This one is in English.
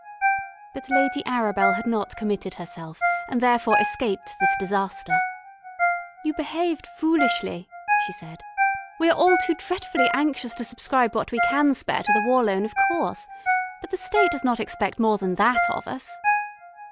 But Lady Arabel had not committed herself, and therefore escaped this disaster. "You behaved foolishly," she said. "We are all too dretfully anxious to subscribe what we can spare to the War Loan, of course. But the State does not expect more than that of us."